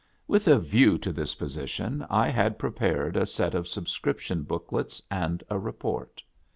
With a view to this position I had prepared a set of subscription books and a report.